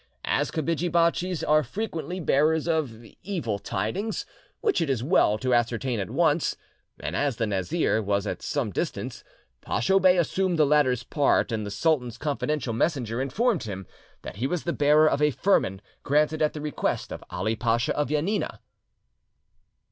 As kapidgi bachis are frequently bearers of evil tidings, which it is well to ascertain at once, and as the Nazir was at some distance, Pacho Bey assumed the latter's part, and the sultan's confidential messenger informed him that he was the bearer of a firman granted at the request of Ali Pacha of Janina.